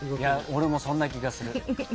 俺もそんな気がする。